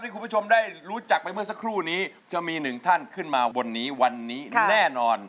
ที่คุณผู้ชมได้รู้จักไปเมื่อสักครู่นี้จะมี๑ท่านขึ้นมาวันนี้แน่นอน